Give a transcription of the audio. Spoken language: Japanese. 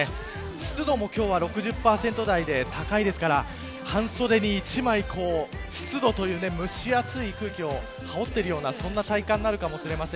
湿度も今日は６０％台で高いですから半袖に１枚、湿度という蒸し暑い空気を羽織っているような体感になりそうです。